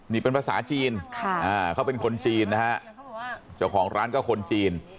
นี่เป็นภาษาจีนเขาเป็นคนจีนนะฮะเจ้าของร้านก็คนจีน